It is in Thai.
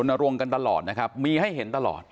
นรงค์กันตลอดนะครับมีให้เห็นตลอด